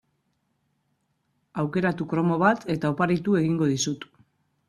Aukeratu kromo bat eta oparitu egingo dizut.